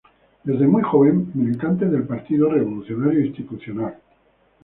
Desde muy joven, militante del Partido Revolucionario Institucional.